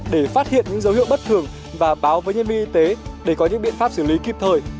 để phát hiện những dấu hiệu bất thường và báo với nhân viên y tế để có những biện pháp xử lý kịp thời